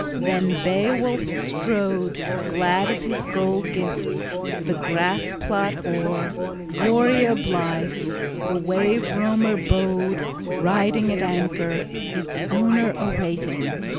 Then Beowulf strode, glad of his gold gifts, the grass plot o'er, warrior blithe. The wave roamer bode riding at anchor, its owner awaiting.